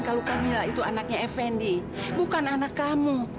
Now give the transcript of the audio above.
kalau kamila itu anaknya effendi bukan anak kamu